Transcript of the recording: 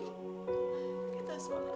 dari dulu ma